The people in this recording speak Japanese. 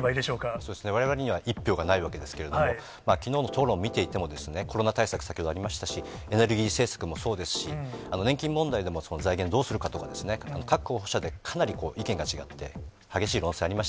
そうですね、われわれには１票がないわけですけれども、きのうの討論を見ていても、コロナ対策、先ほどありましたし、エネルギー政策もそうです、年金問題でも財源どうするかとかですね、各候補者でかなり意見が違って、激しい論戦ありました。